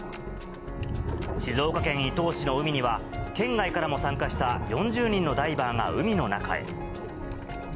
静岡県伊東市の海には、県外からも参加した４０人のダイバーが海の中へ。